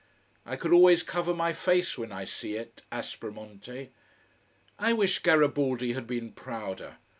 I could always cover my face when I see it, Aspromonte. I wish Garibaldi had been prouder.